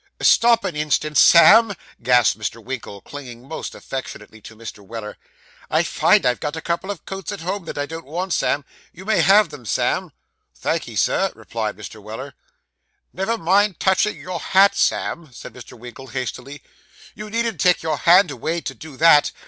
'Stop an instant, Sam,' gasped Mr. Winkle, clinging most affectionately to Mr. Weller. 'I find I've got a couple of coats at home that I don't want, Sam. You may have them, Sam.' 'Thank'ee, Sir,' replied Mr. Weller. 'Never mind touching your hat, Sam,' said Mr. Winkle hastily. 'You needn't take your hand away to do that.